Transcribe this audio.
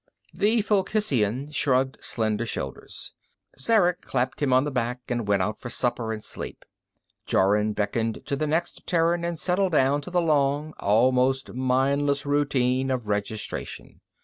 The Fulkhisian shrugged slender shoulders. Zarek clapped him on the back and went out for supper and sleep. Jorun beckoned to the next Terran and settled down to the long, almost mindless routine of registration.